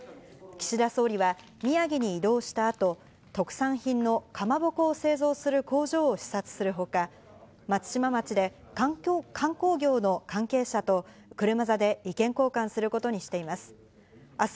岸田総理は宮城に移動したあと、特産品のかまぼこを製造する工場を視察するほか、松島町で観光業の関係者と車座で意見交換することにしています。